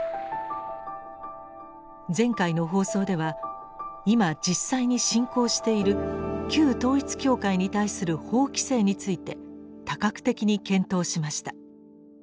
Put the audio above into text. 前回の放送では今実際に進行している旧統一教会に対する法規制について多角的に検討しました。